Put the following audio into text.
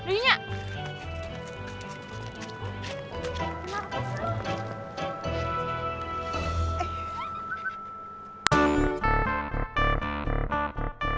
ih ini anaknya